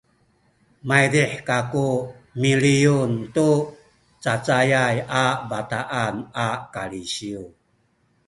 maydih kaku miliyun tu cacayay a bataan a kalisiw